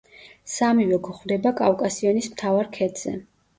სამივე გვხვდება კავკასიონის მთავარ ქედზე.